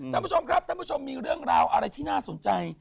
ท่านผู้ชมครับท่านผู้ชมมีเรื่องราวอะไรที่น่าสนใจ